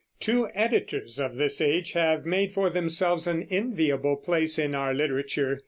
Two editors of this age have made for themselves an enviable place in our literature.